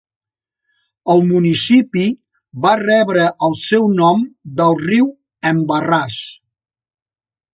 El municipi va rebre el seu nom del riu Embarrass.